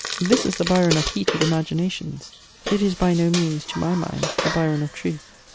This is the Byron of heated imaginations: it is by no means, to my mind, the Byron of truth.